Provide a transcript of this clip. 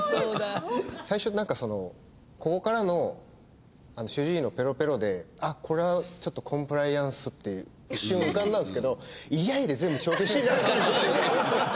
最初なんかここからの主治医のペロペロであっこれはちょっとコンプライアンスって一瞬浮かんだんですけど「イェイ」で全部帳消しになる感じというか。